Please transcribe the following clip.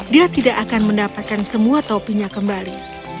dia tidak akan mendapatkan semua topinya kembali